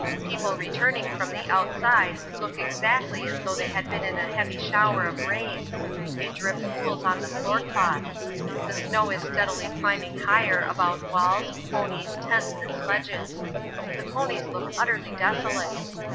People returning from the outside look exactly as though they had been in a heavy shower of rain. They drip pools on the floorcloth. The snow is steadily climbing higher about walls, ponies, tents, and sledges. The ponies look utterly desolate.